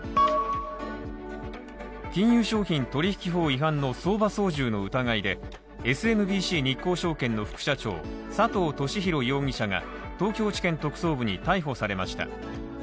金融商品取引法違反の相場操縦の疑いでＳＭＢＣ日興証券の副社長佐藤俊弘容疑者が東京地検特捜部に逮捕されました。